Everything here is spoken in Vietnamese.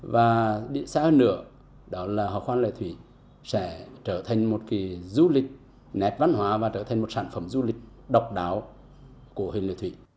và sẽ hơn nữa đó là hò khoan lệ thủy sẽ trở thành một kỳ du lịch nét văn hóa và trở thành một sản phẩm du lịch độc đáo của hình lệ thủy